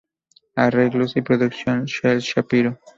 Arreglos Y producción:Shel Shapiro